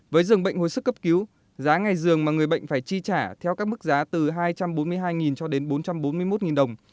với dường bệnh hồi sức cấp cứu giá ngày dường mà người bệnh phải chi trả theo các mức giá từ hai trăm bốn mươi hai cho đến bốn trăm bốn mươi một đồng